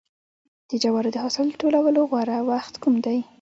د جوارو د حاصل ټولولو غوره وخت کوم دی؟